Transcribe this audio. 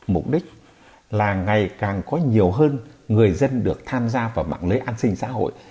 mục đích là ngày càng có nhiều hơn người dân được tham gia vào mạng lưới an sinh xã hội